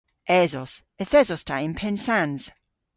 Esos. Yth esos ta yn Pennsans.